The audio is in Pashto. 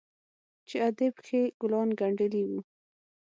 چې ادې پکښې ګلان گنډلي وو.